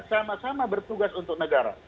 sama sama bertugas untuk negara